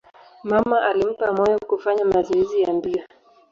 Mama alimpa moyo kufanya mazoezi ya mbio.